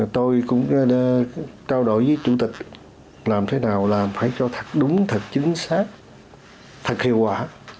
tôi cũng trao đổi với chủ tịch làm thế nào làm phải cho thật đúng thật chính xác thật hiệu quả